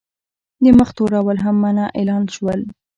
د مخ تورول هم منع اعلان شول.